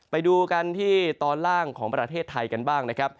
ไปดูกันที่ตอนล่างของประเทศไทยกันบ้างนะครับ